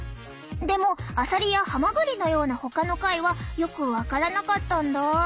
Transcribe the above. でもあさりやはまぐりのようなほかの貝はよく分からなかったんだ。